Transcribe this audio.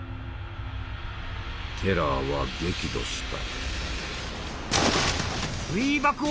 テラーは激怒した。